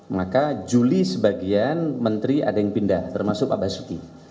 maka juli sebagian menteri ada yang pindah termasuk pak basuki